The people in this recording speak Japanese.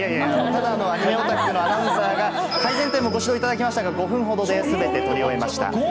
ただのアニメオタクのアナウンサーが、改善点もご指導いただきましたが、５分ほどですべて録り終えました。